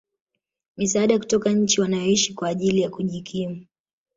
misaada kutoka nchi wanayoishi kwa ajili ya kujikimu